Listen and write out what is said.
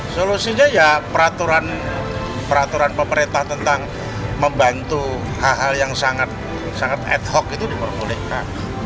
solusinya ya peraturan pemerintah tentang membantu hal hal yang sangat ad hoc itu diperbolehkan